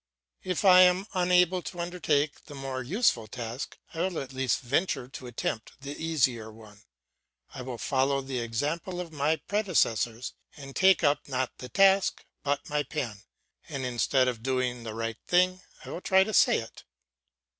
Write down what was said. If I am unable to undertake the more useful task, I will at least venture to attempt the easier one; I will follow the example of my predecessors and take up, not the task, but my pen; and instead of doing the right thing I will try to say it.